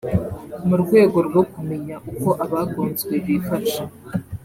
mu rwego rwo kumyenya uko abagonzwe bifashe